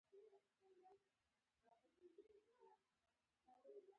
هغه بله ورځ مې هم د نور چرسي زوی د مڼو په غلا ونيو.